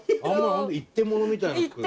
一点物みたいな服。